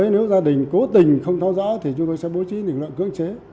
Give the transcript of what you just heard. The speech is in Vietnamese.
nếu gia đình cố tình không tháo rõ thì chúng tôi sẽ bố trí lực lượng cưỡng chế